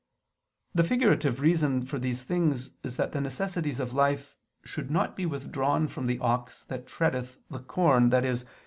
The figurative reason for these things is that the necessities of life should not be withdrawn from the ox that treadeth the corn, i.e.